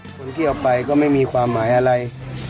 คนที่เอาไปก็ไม่มีความหมายอะไร